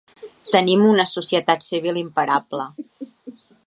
Tenim una societat civil imparable.